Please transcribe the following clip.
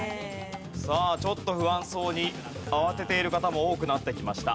さあちょっと不安そうに慌てている方も多くなってきました。